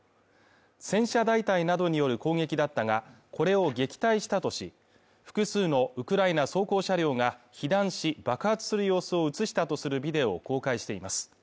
戦車大隊などによる攻撃だったが、これを撃退したとし、複数のウクライナ装甲車両が被弾し、爆発する様子を映したとするビデオを公開しています。